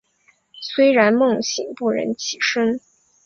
虽然梦醒不忍起身